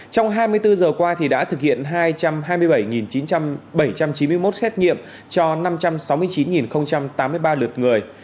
trong hai mươi bốn giờ qua đã thực hiện hai trăm hai mươi bảy chín trăm chín mươi một xét nghiệm cho năm trăm sáu mươi chín tám mươi ba lượt người